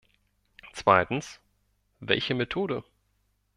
Zweitens, welche Methode?